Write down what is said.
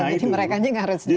jadi mereka harus di